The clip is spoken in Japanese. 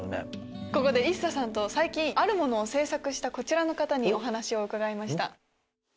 ここでＩＳＳＡさんと最近あるものを制作したこちらの方にお話を伺いました。